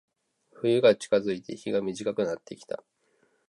冬が近づいて、日が短くなってきた。